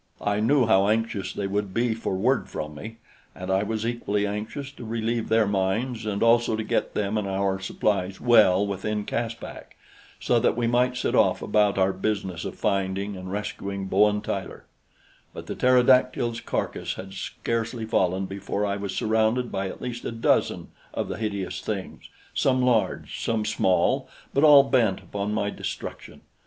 I knew how anxious they would be for word from me, and I was equally anxious to relieve their minds and also to get them and our supplies well within Caspak, so that we might set off about our business of finding and rescuing Bowen Tyler; but the pterodactyl's carcass had scarcely fallen before I was surrounded by at least a dozen of the hideous things, some large, some small, but all bent upon my destruction.